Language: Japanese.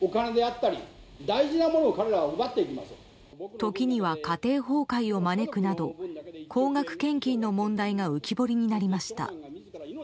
時には家庭崩壊を招くなど高額献金の問題が浮き彫りになりました。